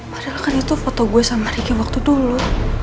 padahal kan itu foto gue sama ricky waktu dulu